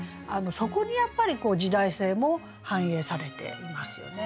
そこにやっぱり時代性も反映されていますよね。